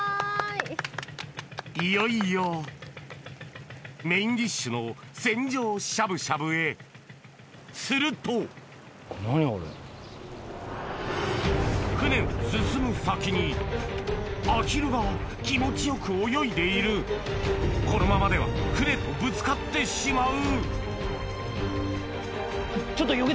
いよいよメインディッシュの船上しゃぶしゃぶへすると船の進む先にアヒルが気持ちよく泳いでいるこのままでは船とぶつかってしまう！